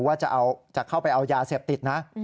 ว่าจะเข้าไปเอายาเสพติดนะ